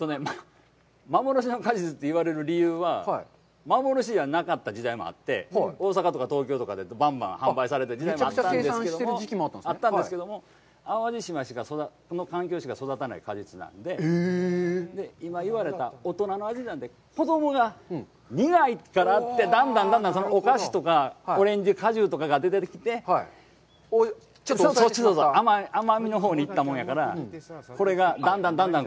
幻の果実と言われる理由は、幻じゃなかった時代もあって、大阪とか東京とかでばんばん販売された時代もあったんですけども、淡路島の環境しか育たないので、今言われた大人の味なんで、子供が苦いからって、だんだんだんだん、お菓子とか、オレンジ果汁とかが出てきて、甘みのほうに行ったもんやから、これがだんだんだんだん。